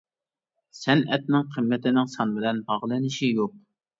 سەنئەتنىڭ قىممىتىنىڭ سان بىلەن باغلىنىشى يوق.